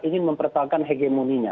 ingin mempertahankan hegemoninya